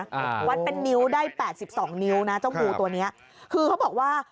วัดเป็นนิ้วได้แปดสิบสองนิ้วนะเจ้างูตัวเนี้ยคือเขาบอกว่า